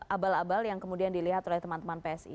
abal abal yang kemudian dilihat oleh teman teman psi